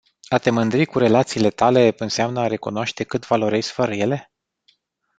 A te mândri cu relațiile tale înseamnă a recunoaște cât valorezi fără ele?